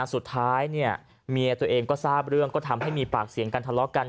สุดท้ายเนี่ยเมียตัวเองก็ทราบเรื่องก็ทำให้มีปากเสียงกันทะเลาะกัน